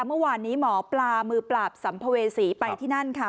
เมื่อวานนี้หมอปลามือปราบสัมภเวษีไปที่นั่นค่ะ